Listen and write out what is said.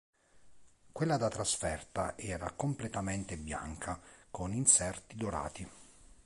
Quella da trasferta era completamente bianca, con inserti dorati.